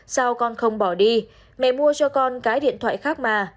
sau con không bỏ đi mẹ mua cho con cái điện thoại khác mà